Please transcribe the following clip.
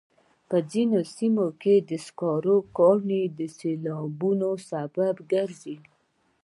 په ځینو سیمو کې د سکرو کانونه د سیلابونو سبب ګرځي.